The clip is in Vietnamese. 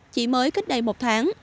chỉ mới kết đầy một tháng